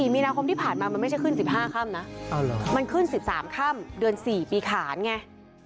มีนาคมที่ผ่านมามันไม่ใช่ขึ้น๑๕ค่ำนะมันขึ้น๑๓ค่ำเดือน๔ปีขานไง